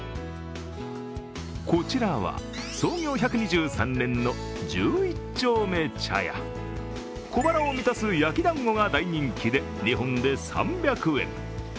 こちらは創業１２３年の十一丁目茶屋小腹を満たす焼団子が大人気で、２本で３００円。